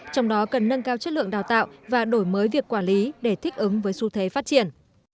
trong đó cần nâng cao chất lượng đào tạo và đổi mới việc quản lý để thích ứng với xu thế phát triển